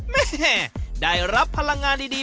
แม่ได้รับพลังงานดี